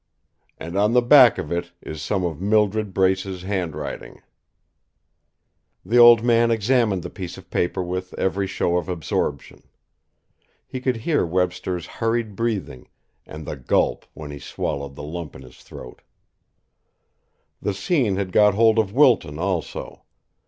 "And on the back of it is some of Mildred Brace's handwriting." The old man examined the piece of paper with every show of absorption. He could hear Webster's hurried breathing, and the gulp when he swallowed the lump in his throat. The scene had got hold of Wilton also.